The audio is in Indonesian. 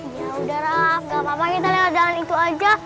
ya udara gak apa apa kita lewat jalan itu aja